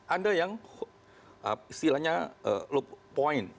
ada yang istilahnya point